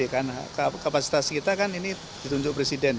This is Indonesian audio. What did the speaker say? karena kapasitas kita kan ini ditunjuk presiden